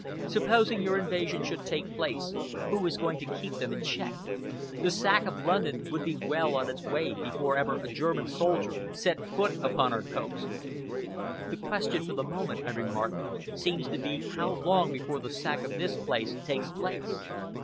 Supposing your invasion should take place, who is going to keep them in check? The sack of London would be well on its way before ever a German soldier set foot upon our coast." "The question for the moment," I remarked, "seems to be how long before the sack of this place takes place.